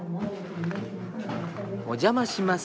お邪魔します。